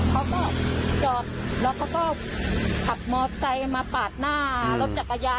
เขาก็จอดแล้วเขาก็ขับมอไซค์มาปาดหน้ารถจักรยาน